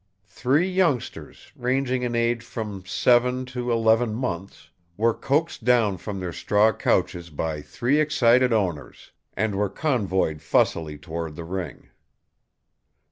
Three youngsters, ranging in age from seven to eleven months, were coaxed down from their straw couches by three excited owners and were convoyed fussily toward the ring.